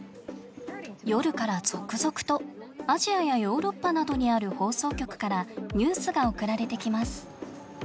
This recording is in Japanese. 夜から続々とアジアやヨーロッパなどにある放送局からニュースが送られてきます。